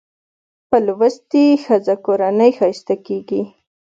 په لوستې ښځه کورنۍ ښايسته کېږي